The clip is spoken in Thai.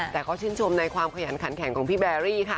แต่เขาชื่นชมในความขยันขันแข็งของพี่แบรี่ค่ะ